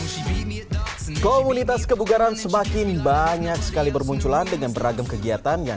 hai komunitas kebugaran semakin banyak sekali bermunculan dengan beragam kegiatan yang